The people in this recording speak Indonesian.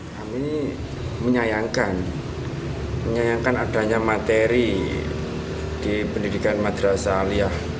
kami menyayangkan menyayangkan adanya materi di pendidikan madrasah aliyah